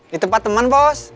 di tempat teman bos